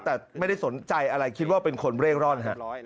แต่ไม่ได้สนใจอะไรคิดว่าเป็นคนเร่ร่อนฮะ